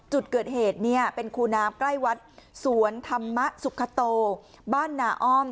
จุดเกิดเหตุเนี่ยเป็นคูน้ำใกล้วัดสวนธรรมสุขโตบ้านนาอ้อม